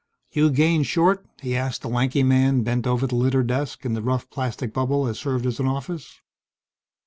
"You Gaines Short?" he asked the lanky man bent over the littered desk in the rough plastic bubble that served as an office.